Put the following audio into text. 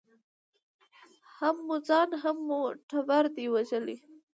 هم مو ځان هم مو ټبر دی په وژلی